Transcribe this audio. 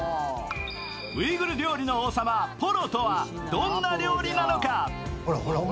ウイグル料理の王様・ポロとはどんな料理なのか。